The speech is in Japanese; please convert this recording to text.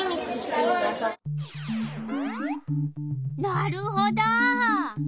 なるほど。